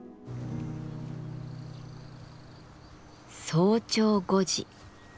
早朝５時。